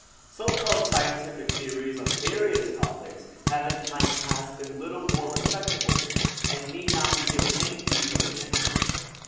So called scientific theories on various topics have in time past been little more respectable, and need not be given any detailed attention.